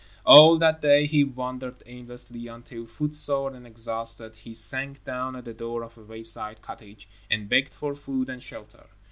All that day he wandered aimlessly, until, foot sore and exhausted, he sank down at the door of a wayside cottage and begged for food and shelter.